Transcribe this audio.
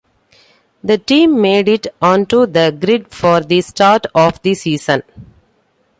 The team made it onto the grid for the start of the season.